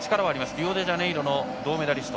リオデジャネイロの銅メダリスト。